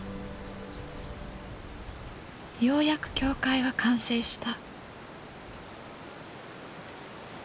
ようやく教会は完成した。